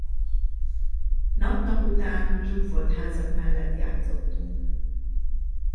Nap nap után zsúfolt házak mellett játszottunk.